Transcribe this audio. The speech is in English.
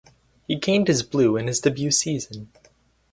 He gained his blue in his debut season.